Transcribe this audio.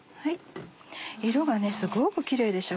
色がすごくキレイでしょ？